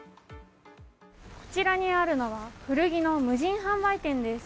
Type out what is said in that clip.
こちらにあるのは古着の無人販売店です。